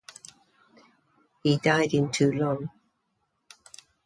He died in Toulon.